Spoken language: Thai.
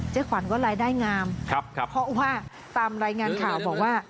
ขวัญก็รายได้งามครับเพราะว่าตามรายงานข่าวบอกว่า